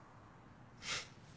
フッ。